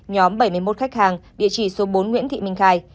nhóm bảy mươi một khách hàng địa chỉ số bốn nguyễn thị minh khai